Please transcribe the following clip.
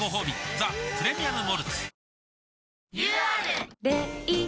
「ザ・プレミアム・モルツ」